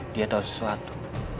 dia tahu sesuatu